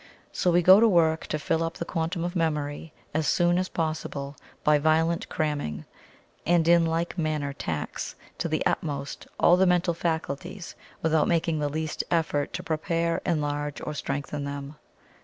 So we go to work to fill up the quantum of memory as soon as possible by violent cramming, and in like manner tax to the utmost all the mental faculties without making the least effort to prepare, enlarge or strengthen them.